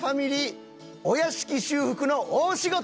お屋敷修復の大仕事！」